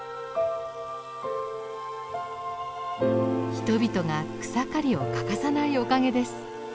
人々が草刈りを欠かさないおかげです。